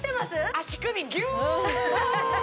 足首ギューッ！